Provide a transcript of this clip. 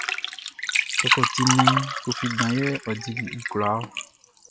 Kɔkɔti nnɛn Koffi dan yɛ ɔ dili kwlaa ɔ.